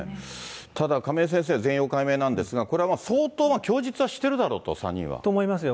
ただ、亀井先生、全容解明なんですが、これは相当供述はしてるだろうと、３人は。と思いますよ。